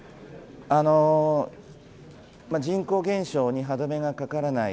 人口減少に歯止めがかからない